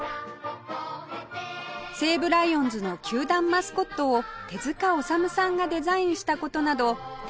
西武ライオンズの球団マスコットを手治虫さんがデザインした事など手